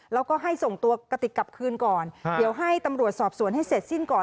แล้วก็ให้ส่งตัวกระติกกลับคืนก่อนเดี๋ยวให้ตำรวจสอบสวนให้เสร็จสิ้นก่อน